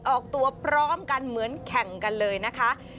ออกตัวพร้อมกันเหมือนแข่งกันเลยนะคะ